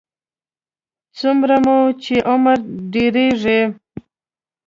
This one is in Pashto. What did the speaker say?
څومره مو چې عمر ډېرېږي.